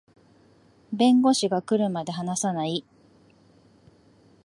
弁護士が来るまで話さない